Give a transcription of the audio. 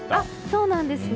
そうなんですね。